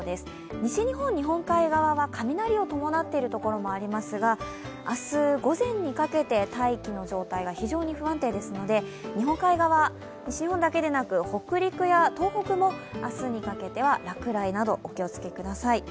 西日本、日本海側は雷を伴っている所もありますが明日午前にかけて大気の状態が非常に不安定ですので日本海側、西日本だけでなく北陸や東北も明日にかけては落雷などお気をつけください。